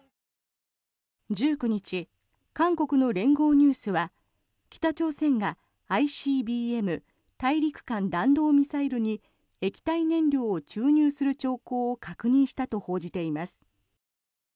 １９日、韓国の連合ニュースは北朝鮮がＩＣＢＭ・大陸間弾道ミサイルに液体燃料を注入する兆候を確認したと報じています。